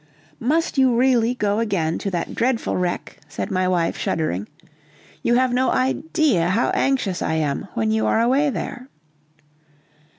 "Must you really go again to that dreadful wreck?" said my wife shuddering. "You have no idea how anxious I am when you are away there."